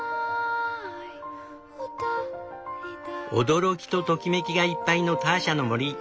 驚きとときめきがいっぱいのターシャの森。